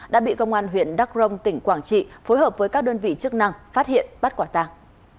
đã bị công an huyện đắk rông tỉnh quảng trị phối hợp với các đơn vị chức năng phát hiện bắt quả tàng